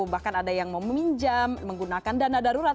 bahkan ada yang meminjam menggunakan dana darurat